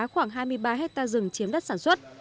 hai mươi ba hectare rừng chiếm đất sản xuất